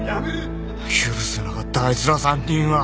許せなかったあいつら３人は。